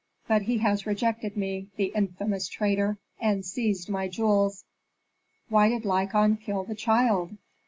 But he has rejected me, the infamous traitor, and seized my jewels." "Why did Lykon kill the child?"